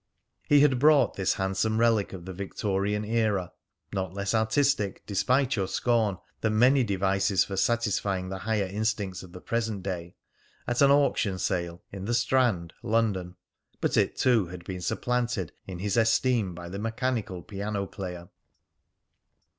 He had bought this handsome relic of the Victorian era (not less artistic, despite your scorn, than many devices for satisfying the higher instincts of the present day) at an auction sale in the Strand, London. But it, too, had been supplanted in his esteem by the mechanical piano player.